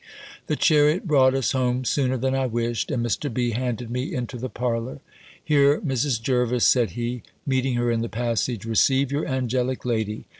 The chariot brought us home sooner than I wished, and Mr. B. handed me into the parlour. "Here, Mrs. Jervis," said he, meeting her in the passage, "receive your angelic lady.